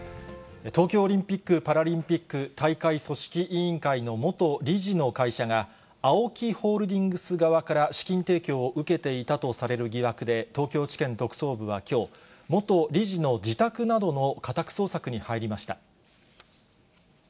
東京オリンピック・パラリンピック大会組織委員会の元理事の会社が、ＡＯＫＩホールディングス側から資金提供を受けていたとされる疑惑で、東京地検特捜部はきょう、元理事の自宅などの家宅捜索に入りました。